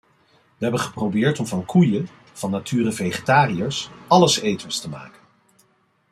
Wij hebben geprobeerd om van koeien, van nature vegetariërs, alleseters te maken.